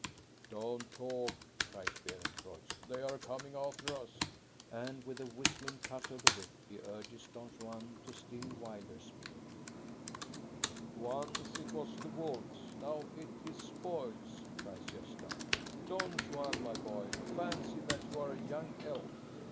Don't talk !" cries Beerencreutz. " They are coming after us." I$8 THE STORY OF GOSTA BERLING And with a whistling cut of the whip he urges Don Juan to still wilder speed. " Once it was wolves, now it is spoils," cries Gosta. " Don Juan, my boy, fancy that you are a young elk.